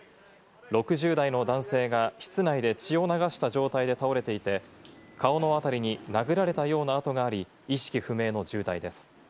６０代の男性が室内で血を流した状態で倒れていて、顔のあたりに殴られたような痕があり、意識不明の重体です。